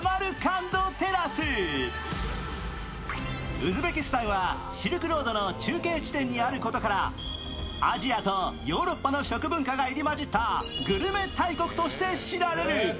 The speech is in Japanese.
ウズベキスタンはシルクロードの中継地点にあることからアジアとヨーロッパの食文化が入り混じったグルメ大国として知られる。